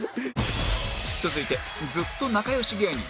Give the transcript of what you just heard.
続いてずっと仲良し芸人